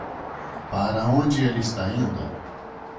Para onde ele está indo?